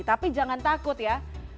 tapi jangan takut ya